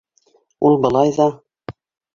Ул былай ҙа...